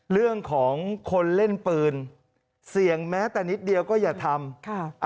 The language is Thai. เรื่องของคนเล่นปืนเสี่ยงแม้แต่นิดเดียวก็อย่าทำ